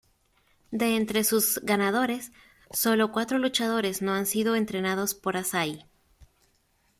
De entre sus ganadores, sólo cuatro luchadores no han sido entrenados por Asai.